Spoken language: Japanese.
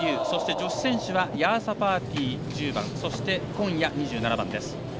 そして、女子選手はヤーサパーティ、１０番とそしてコンヤ、２７番です。